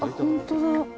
本当だ。